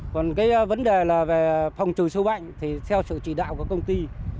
còn vấn đề phòng trừ sâu bệnh thì theo sự chỉ đạo của công ty